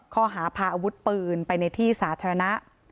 ข้อหาพาอาวุธปืนไปในที่สาธารณะ